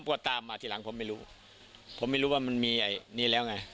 ว่าตามมาทีหลังผมไม่รู้ผมไม่รู้ว่ามันมีไอ้นี่แล้วไง